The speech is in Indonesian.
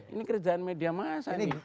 ini kerjaan media masa nih